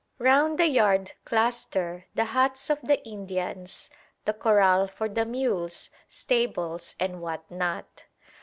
Round the yard cluster the huts of the Indians, the corral for the mules, stables and what not.